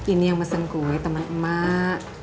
ini yang mesen kue temen emak